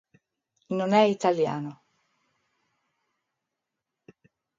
吴官正简历, 新华网.